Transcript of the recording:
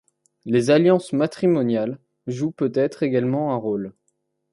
Les alliances matrimoniales jouent peut-être également un rôle.